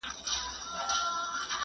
توتکۍ خبره راوړله پر شونډو `